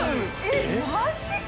┐マジか！